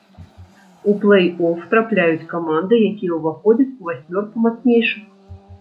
У плэй-оф трапляюць каманды, якія ўваходзяць у васьмёрку мацнейшых.